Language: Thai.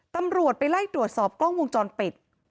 ตำรวจไปไล่ตรวจสอบกล้องวงจรปิด